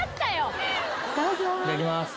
いただきます。